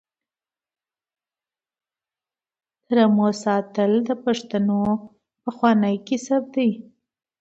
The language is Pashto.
د رمو ساتل د پښتنو پخوانی کسب دی.